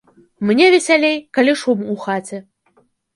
Мне весялей, калі шум у хаце.